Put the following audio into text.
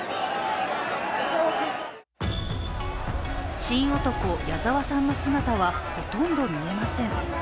神男・矢澤さんの姿はほとんど見えません。